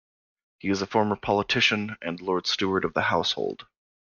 He is a former politician and Lord Steward of the Household.